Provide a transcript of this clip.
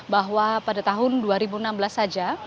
bahwa pada tahun dua ribu enam belas saja